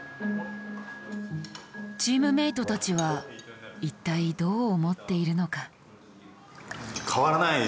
チームメートたちは一体どう思っているのか？